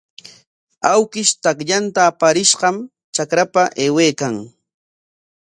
Awkish takllanta aparishqam trakrapa aywaykan.